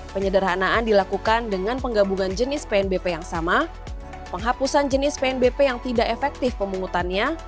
penyederhanaan dilakukan dengan penggabungan jenis pnbp yang sama penghapusan jenis pnbp yang tidak efektif pemungutannya